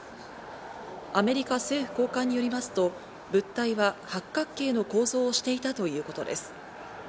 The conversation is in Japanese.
アメリカ政府高官によりますと物体は、八角形の構造をしていたということです。